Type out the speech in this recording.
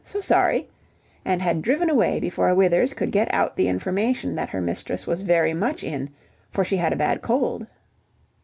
So sorry," and had driven away before Withers could get out the information that her mistress was very much in, for she had a bad cold.